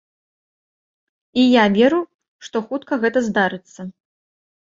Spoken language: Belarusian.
І я веру, што хутка гэта здарыцца.